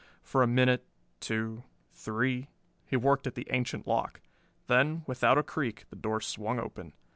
For a minute, two, three, he worked at the ancient lock; then, without a creak, the door swung open.